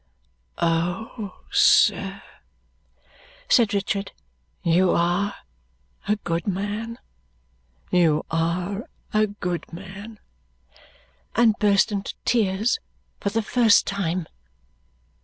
"Oh, sir," said Richard, "you are a good man, you are a good man!" and burst into tears for the first time.